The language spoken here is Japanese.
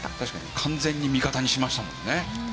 完全に味方にしましたもんね。